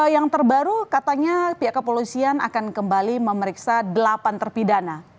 yang terbaru katanya pihak kepolisian akan kembali memeriksa delapan terpidana